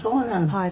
はい。